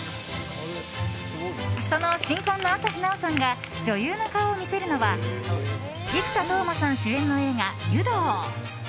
その新婚の朝日奈央さんが女優の顔を見せるのは生田斗真さん主演の映画「湯道」。